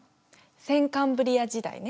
先カンブリア時代ね。